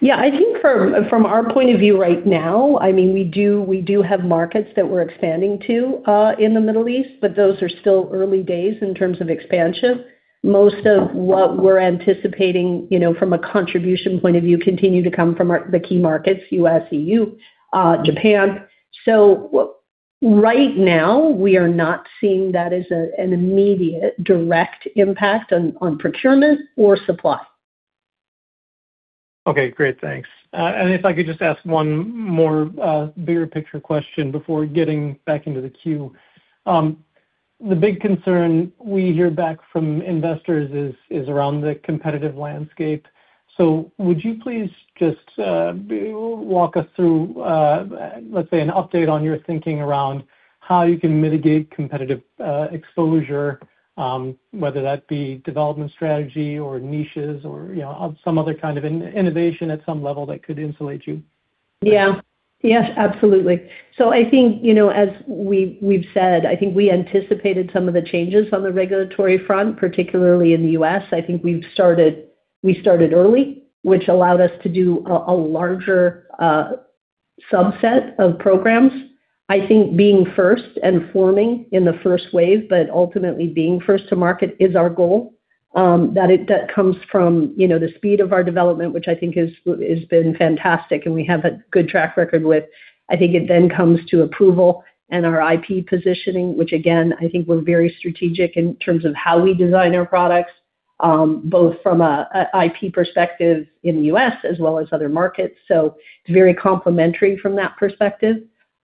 Yeah. I think from our point of view right now, I mean, we do have markets that we're expanding to in the Middle East, but those are still early days in terms of expansion. Most of what we're anticipating, you know, from a contribution point of view, continue to come from the key markets, U.S., E.U., Japan. Right now we are not seeing that as an immediate direct impact on procurement or supply.
Okay, great. Thanks. If I could just ask one more bigger picture question before getting back into the queue. The big concern we hear back from investors is around the competitive landscape. Would you please just walk us through, let's say an update on your thinking around how you can mitigate competitive exposure, whether that be development strategy or niches or, you know, some other kind of innovation at some level that could insulate you?
Yeah. Yes, absolutely. I think, you know, as we've said, I think we anticipated some of the changes on the regulatory front, particularly in the U.S. I think we started early, which allowed us to do a larger subset of programs. I think being first and forming in the first wave, but ultimately being first to market is our goal. That comes from, you know, the speed of our development, which I think has been fantastic and we have a good track record with. I think it then comes to approval and our IP positioning, which again, I think we're very strategic in terms of how we design our products, both from a IP perspective in the U.S. as well as other markets. It's very complementary from that perspective.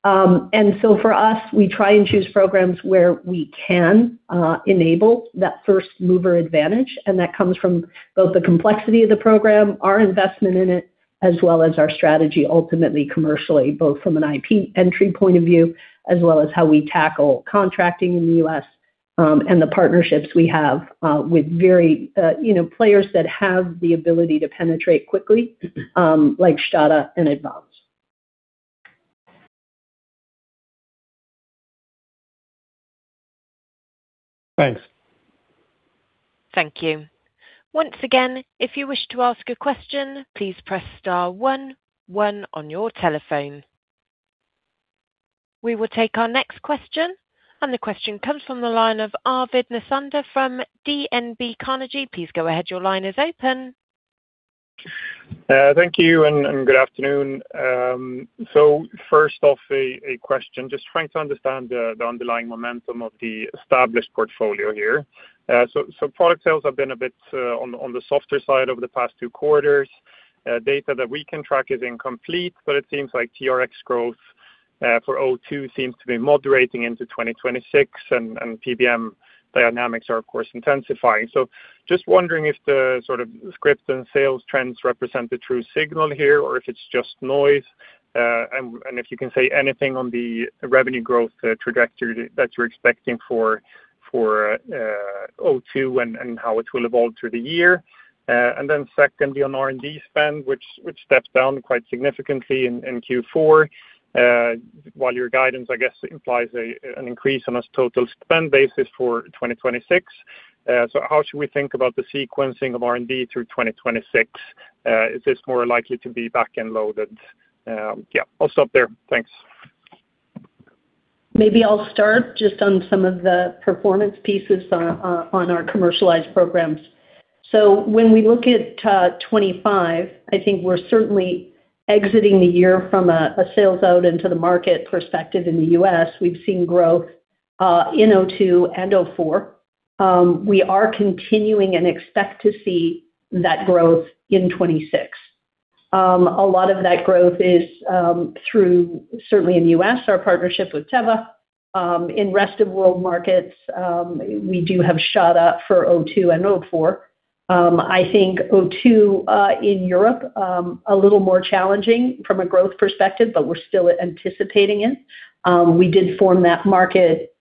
for us, we try and choose programs where we can enable that first mover advantage, and that comes from both the complexity of the program, our investment in it, as well as our strategy ultimately commercially, both from an IP entry point of view, as well as how we tackle contracting in the U.S., and the partnerships we have with very, you know, players that have the ability to penetrate quickly, like Stada and Advanz.
Thanks.
Thank you. Once again, if you wish to ask a question, please press star one one on your telephone. We will take our next question, and the question comes from the line of Arvid Nisander from DNB Carnegie. Please go ahead. Your line is open.
Thank you and good afternoon. First off, a question, just trying to understand the underlying momentum of the established portfolio here. Product sales have been a bit on the softer side over the past two quarters. Data that we can track is incomplete, but it seems like TRX growth for AVT02 seems to be moderating into 2026 and PBM dynamics are of course intensifying. Just wondering if the sort of script and sales trends represent the true signal here or if it's just noise. If you can say anything on the revenue growth trajectory that you're expecting for AVT02 and how it will evolve through the year. Secondly on R&D spend, which steps dewn quite significantly in Q4, while your guidance, I guess implies an increase on a total spend basis for 2026. So how should we think about the sequencing of R&D through 2026? Is this more likely to be back-end loaded? Yeah, I'll stop there. Thanks.
Maybe I'll start just on some of the performance pieces on our commercialized programs. When we look at 2025, I think we're certainly exiting the year from a sales out into the market perspective in the U.S. We've seen growth in AVT02 and AVT04. We are continuing and expect to see that growth in 2026. A lot of that growth is through certainly in the U.S., our partnership with Teva. In rest of world markets, we do have some uptake for AVT02 and AVT04. I think AVT02 in Europe a little more challenging from a growth perspective, but we're still anticipating it. We did enter that market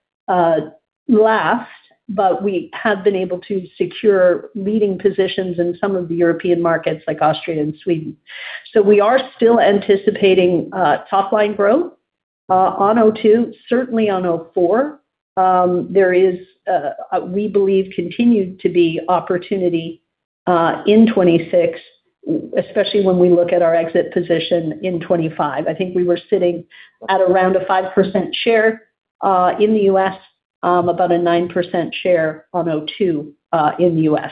last, but we have been able to secure leading positions in some of the European markets like Austria and Sweden. We are still anticipating top line growth on AVT02, certainly on AVT04. There is, we believe continued to be opportunity in 2026, especially when we look at our exit position in 2025. I think we were sitting at around a 5% share in the U.S., about a 9% share on AVT02 in the U.S.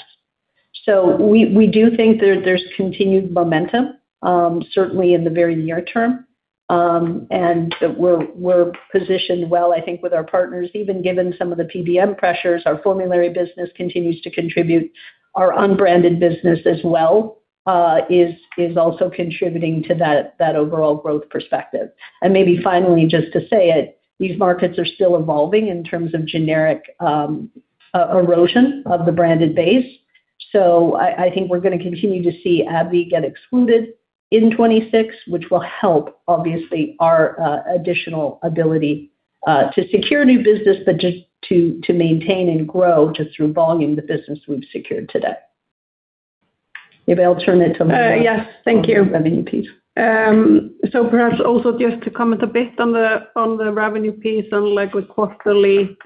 We do think there's continued momentum, certainly in the very near term. We're positioned well, I think with our partners, even given some of the PBM pressures, our formulary business continues to contribute. Our unbranded business as well is also contributing to that overall growth perspective. Maybe finally, just to say it, these markets are still evolving in terms of generic erosion of the branded base. I think we're going to continue to see AbbVie get excluded in 2026, which will help obviously our additional ability to secure new business, but just to maintain and grow just through volume, the business we've secured today. Maybe I'll turn it to Linda Jónsdóttir.
Yes. Thank you.
Revenue piece.
Perhaps also just to comment a bit on the revenue piece, unlike with quarterly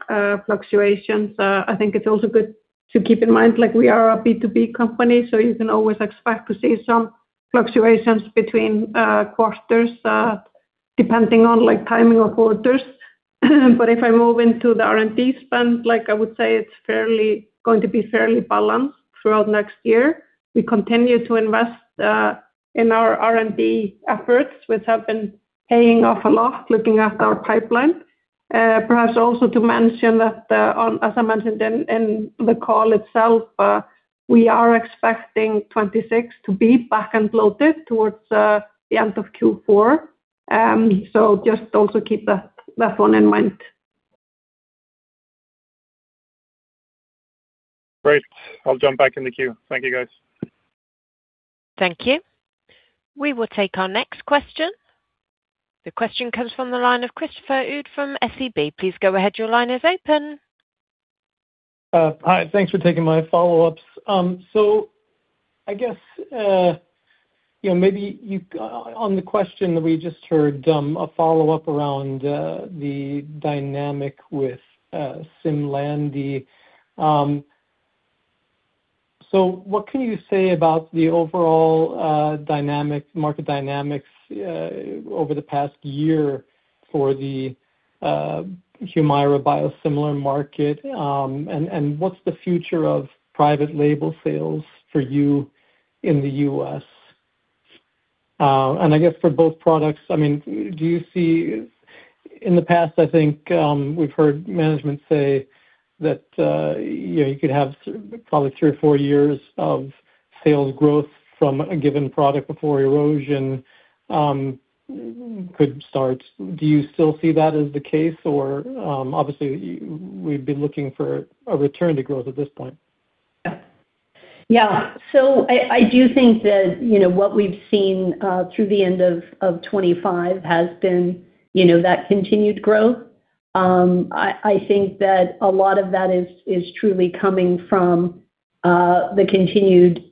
fluctuations, I think it's also good to keep in mind, like we are a B2B company, so you can always expect to see some fluctuations between quarters, depending on, like, timing of quarters. If I move into the R&D spend, like I would say, it's fairly going to be fairly balanced throughout next year. We continue to invest in our R&D efforts, which have been paying off a lot, looking at our pipeline. Perhaps also to mention that, as I mentioned in the call itself, we are expecting 2026 to be back-end loaded towards the end of Q4. Just also keep that one in mind.
Great. I'll jump back in the queue. Thank you, guys.
Thank you. We will take our next question. The question comes from the line of Christopher Uhde from SEB. Please go ahead. Your line is open.
Hi. Thanks for taking my follow-ups. I guess, you know, on the question that we just heard, a follow-up around the dynamic with SIMLANDI. What can you say about the overall market dynamics over the past year for the Humira biosimilar market? And what's the future of private label sales for you in the U.S.? And I guess for both products, I mean, in the past I think we've heard management say that, you know, you could have probably three or four years of sales growth from a given product before erosion could start. Do you still see that as the case? Or, obviously, we've been looking for a return to growth at this point.
Yeah. I do think that, you know, what we've seen through the end of 25 has been, you know, that continued growth. I think that a lot of that is truly coming from the continued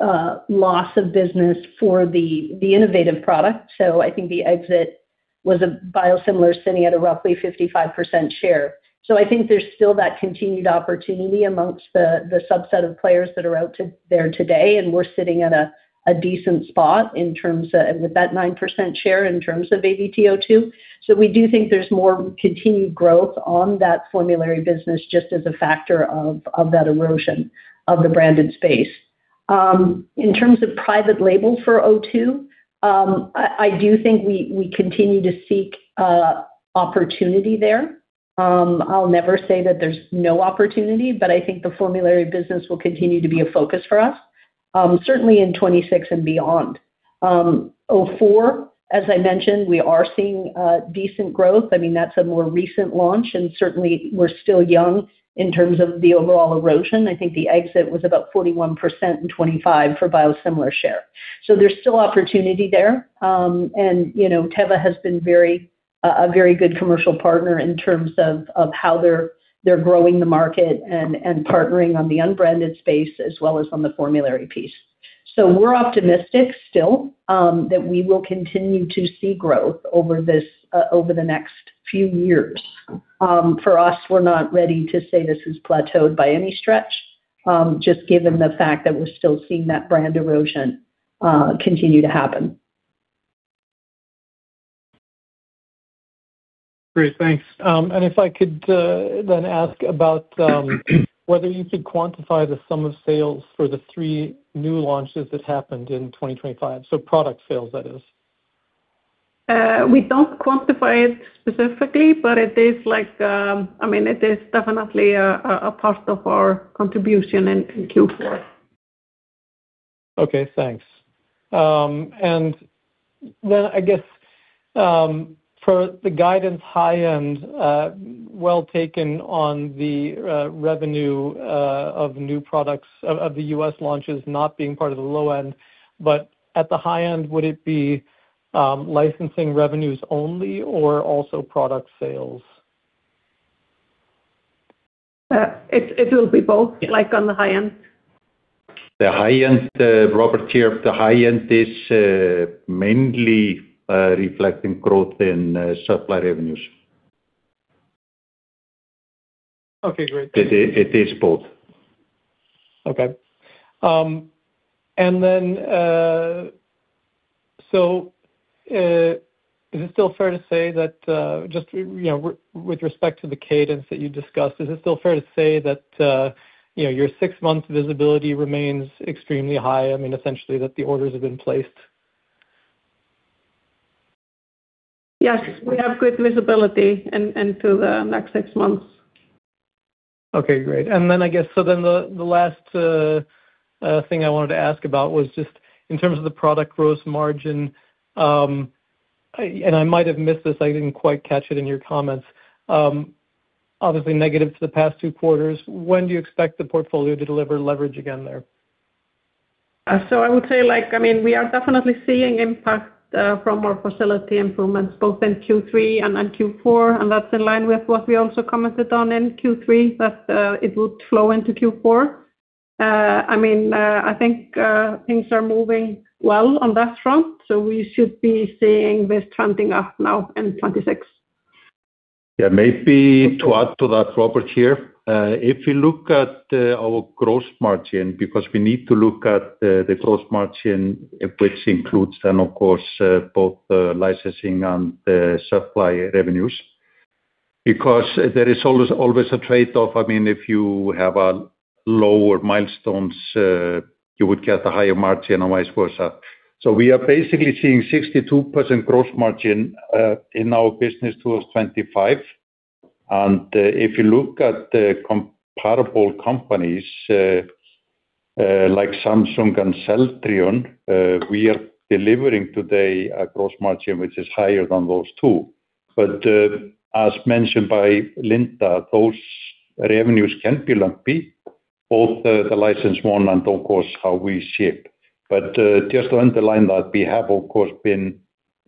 loss of business for the innovative product. I think the exit was a biosimilar sitting at a roughly 55% share. I think there's still that continued opportunity amongst the subset of players that are out there today. We're sitting at a decent spot with that 9% share in terms of AVT02. We do think there's more continued growth on that formulary business just as a factor of that erosion of the branded space. In terms of private label for AVT02, I do think we continue to seek opportunity there. I'll never say that there's no opportunity, but I think the formulary business will continue to be a focus for us, certainly in 2026 and beyond. AVT04, as I mentioned, we are seeing decent growth. I mean, that's a more recent launch, and certainly we're still young in terms of the overall erosion. I think the exit was about 41% in 2025 for biosimilar share. There's still opportunity there. You know, Teva has been very good commercial partner in terms of how they're growing the market and partnering on the unbranded space as well as on the formulary piece. We're optimistic still that we will continue to see growth over the next few years. For us, we're not ready to say this is plateaued by any stretch, just given the fact that we're still seeing that brand erosion continue to happen.
Great. Thanks. If I could ask about whether you could quantify the sum of sales for the three new launches that happened in 2025, product sales, that is.
We don't quantify it specifically, but it is like, I mean, it is definitely a part of our contribution in Q4.
Okay, thanks. I guess for the guidance high end, well taken on the revenue of new products of the U.S. launches not being part of the low end. At the high end, would it be licensing revenues only or also product sales?
It will be both, like on the high end.
The high end, Róbert here. The high end is mainly reflecting growth in supply revenues.
Okay, great.
It is both.
Okay. Is it still fair to say that with respect to the cadence that you discussed, you know, your six-month visibility remains extremely high? I mean, essentially, that the orders have been placed.
Yes. We have good visibility until the next six months.
Okay, great. I guess the last thing I wanted to ask about was just in terms of the product gross margin, and I might have missed this, I didn't quite catch it in your comments. Obviously negative for the past two quarters. When do you expect the portfolio to deliver leverage again there?
I would say, like, I mean, we are definitely seeing impact from our facility improvements both in Q3 and in Q4, and that's in line with what we also commented on in Q3, that it would flow into Q4. I mean, I think things are moving well on that front, so we should be seeing this trending up now in 2026.
Maybe to add to that, Róbert here. If you look at our gross margin, because we need to look at the gross margin, which includes then of course both the licensing and the supply revenues. There is always a trade-off. I mean, if you have a lower milestones, you would get a higher margin and vice versa. We are basically seeing 62% gross margin in our business to 2025. If you look at the comparable companies like Samsung and Celltrion, we are delivering today a gross margin which is higher than those two. As mentioned by Linda, those revenues can be lumpy, both the license one and of course how we ship. Just to underline that we have of course been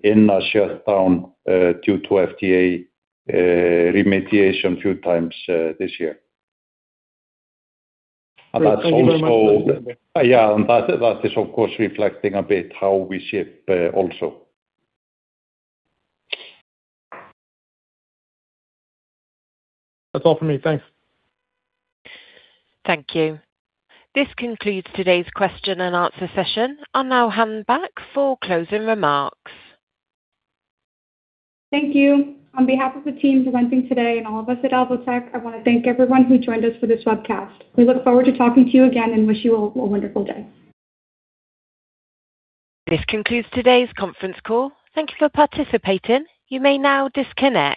in a shutdown due to FDA remediation a few times this year.
Great. Thank you very much.
Yeah. That is of course reflecting a bit how we ship, also.
That's all for me. Thanks.
Thank you. This concludes today's question and answer session. I'll now hand back for closing remarks.
Thank you. On behalf of the team presenting today and all of us at Alvotech, I wanna thank everyone who joined us for this webcast. We look forward to talking to you again and wish you all a wonderful day.
This concludes today's conference call. Thank you for participating. You may now disconnect.